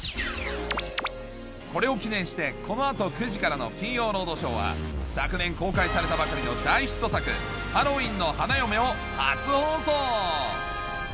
これを記念してこの後９時からの『金曜ロードショー』は昨年公開されたばかりの大ヒット作『ハロウィンの花嫁』を初放送！